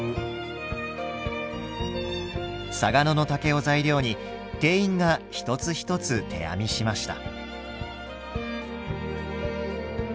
嵯峨野の竹を材料に店員が一つ一つ手編みしました。